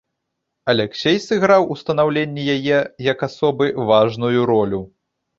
Аляксей сыграў у станаўленні яе як асобы важную ролю.